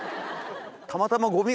たまたま。